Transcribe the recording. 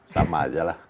sama aja lah